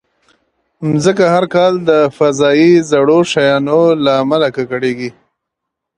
مځکه هر کال د فضایي زړو شیانو له امله ککړېږي.